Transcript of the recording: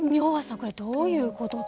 これどういうことだと。